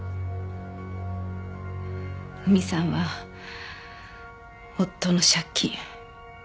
史さんは夫の借金。